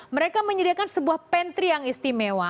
mereka menyediakan sebuah pantry yang istimewa